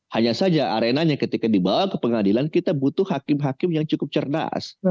hanya saja arenanya ketika dibawa ke pengadilan kita butuh hakim hakim yang cukup cerdas